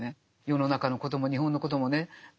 世の中のことも日本のこともね何も語れない。